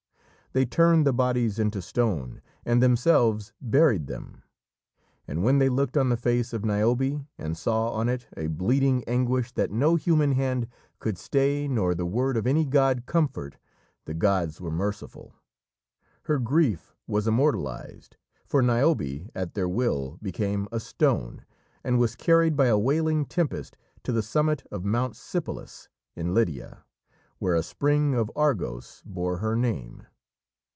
They turned the bodies into stone and themselves buried them. And when they looked on the face of Niobe and saw on it a bleeding anguish that no human hand could stay nor the word of any god comfort, the gods were merciful. Her grief was immortalised, for Niobe, at their will, became a stone, and was carried by a wailing tempest to the summit of Mount Sipylus, in Lydia, where a spring of Argos bore her name.